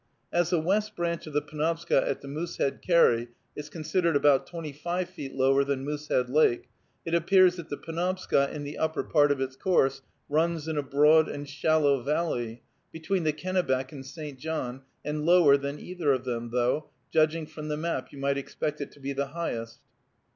As the West Branch of the Penobscot at the Moosehead carry is considered about twenty five feet lower than Moosehead Lake, it appears that the Penobscot in the upper part of its course runs in a broad and shallow valley, between the Kennebec and St. John, and lower than either of them, though, judging from the map, you might expect it to be the highest.